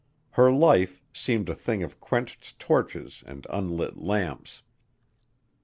Her life seemed a thing of quenched torches and unlit lamps.